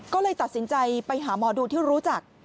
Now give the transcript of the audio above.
ก็เลยตัดสินใจไปหาหมอดูที่รู้จัก